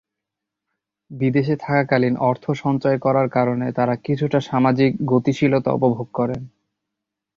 বিদেশে থাকাকালীন অর্থ সঞ্চয় করার কারণে তারা কিছুটা সামাজিক গতিশীলতা উপভোগ করেন।